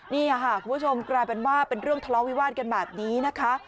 นี่ค่ะคุณผู้ชมกลายเป็นว่าเป็นเรื่องทะเลาวิวาสกันแบบนี้นะคะ